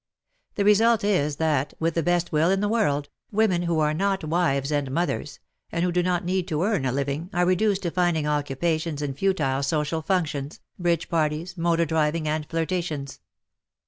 The result is that, with the best will in the world, women who are not wives and mothers, and who do not need to earn a living, are reduced to finding occupations in futile social functions, bridge parties, motor driving and flirtations.